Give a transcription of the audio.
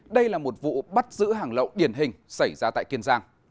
đây là một vụ bắt giữ hàng lậu điển hình xảy ra tại kiên giang